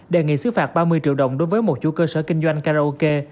đề nghị xứ phạt ba mươi triệu đồng đối với một chủ cơ sở kinh doanh karaoke